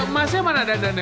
masnya mana dandannya